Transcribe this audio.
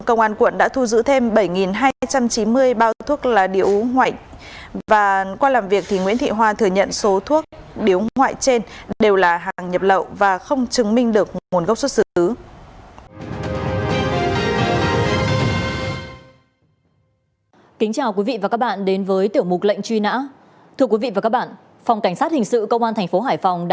công an quận đã thu giữ thêm bảy hai trăm chín mươi bao thuốc lá điếu ngoại